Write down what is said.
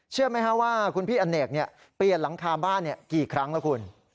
ว่าคุณพี่อเนกเปลี่ยนหลังคาบ้านกี่ครั้งแล้วคุณ